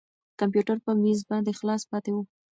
کمپیوټر په مېز باندې خلاص پاتې و.